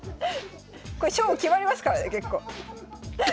これ勝負決まりますからね結構。